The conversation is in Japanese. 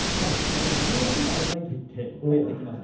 自分を褒めてあげたいと言っていました。